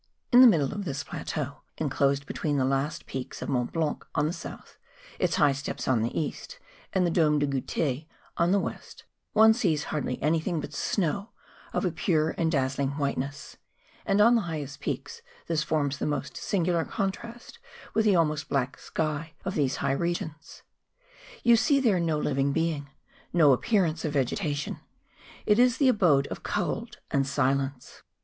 In the middle of this plateau, enclosed between the last peaks of Mont Blanc on the south, its high steps on the east, and the Dome du Goute on the west, one sees hardly anything but snow, of a pure and dazzling whiteness; and on the highest peaks this forms the most singular contrast with the almost black sky of these high regions. You see there no living being, no appearance of vegetation ; it is the abode of cold and silence.